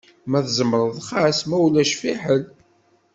Ma tzemreḍ xas, ma ulac fḥel.